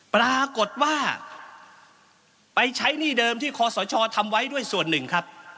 ปรากฏว่าไปใช้หนี้เดิมที่คอสชทำไว้ด้วยส่วนหนึ่งครับ